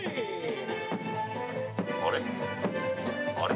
あれ？